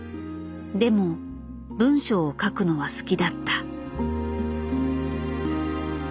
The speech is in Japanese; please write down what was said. でも文章を書くのは好きだった。